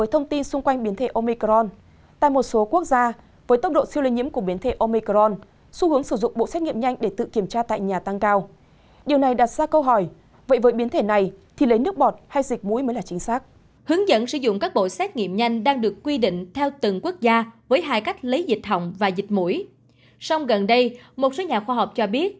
hãy đăng ký kênh để ủng hộ kênh của chúng mình nhé